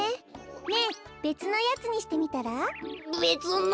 ねえべつのやつにしてみたら？べつの？